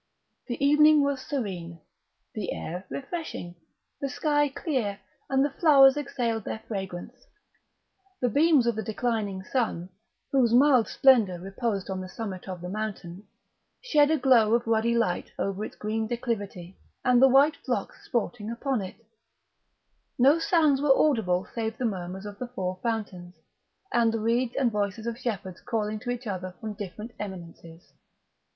The evening was serene, the air refreshing, the sky clear, and the flowers exhaled their fragrance; the beams of the declining sun, whose mild splendour reposed on the summit of the mountain, shed a glow of ruddy light over its green declivity and the white flocks sporting upon it; no sounds were audible save the murmurs of the Four Fountains, and the reeds and voices of shepherds calling to each other from different eminences.